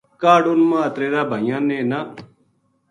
کاہڈ اُنھ ماتریر بھائیاں نے نہ